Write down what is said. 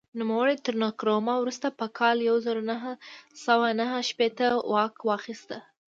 نوموړي تر نکرومه وروسته په کال یو زر نهه سوه نهه شپېته واک واخیست.